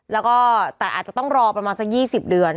แล้วก็แต่อาจจะต้องรอประมาณสัก๒๐เดือน